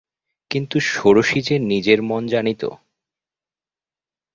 কিন্তু, ষোড়শী যে নিজের মন জানিত।